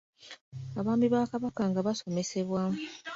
Abaami ba Kabaka nga basomesebwa.